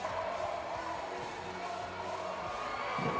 สวัสดีทุกคน